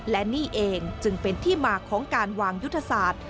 และนี่เองจึงเป็นที่มาของการวางยุทธศาสตร์